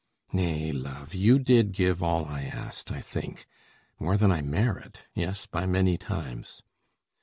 Nay, Love, you did give all I asked, I think More than I merit, yes, by many times.